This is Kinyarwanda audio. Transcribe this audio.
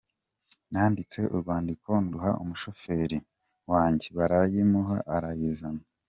Nanditse urwandiko nduha umushoferi wanjye barayimuha arayizana.